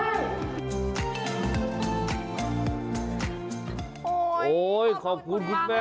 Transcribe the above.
หรือไม่แม่อาจจะไปเยี่ยมคุณที่ถ่ายนี้ก็ได้